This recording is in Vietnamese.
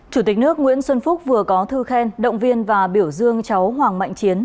chủ tịch nước nguyễn xuân phúc vừa có thư khen động viên và biểu dương cháu hoàng mạnh chiến